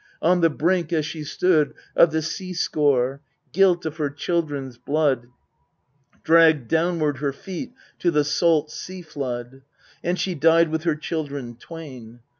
on the brink as she stood Of the sea scaur : guilt of her children's blood Dragged downward her feet to the salt sea flood, And she died with her children twain.